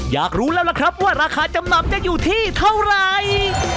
อยากรู้แล้วล่ะครับว่าราคาจำนำจะอยู่ที่เท่าไหร่